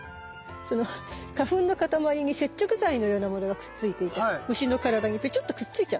その花粉のかたまりに接着剤のようなものがくっついていて虫の体にピチョッとくっついちゃうんです。